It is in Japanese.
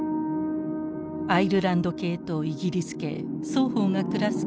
アイルランド系とイギリス系双方が暮らす北